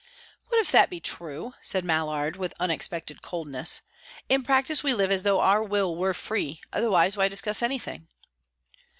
"What if that be true?" said Mallard, with unexpected coldness. "In practice we live as though our will were free. Otherwise, why discuss anything?"